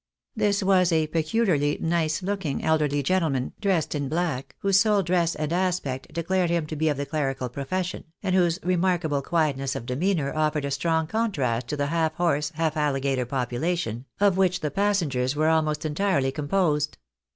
This was a peculiarly nice looking elderly gentleman, dressed in black, whose whole dress and aspect declared him to be of the clerical profession, and whose remarkable quietness of demeanour offered a strong contrast to the half horse, half alligator population, of which the passengers were almost entirely composed.